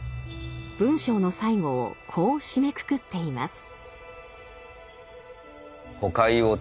文章の最後をこう締めくくっています。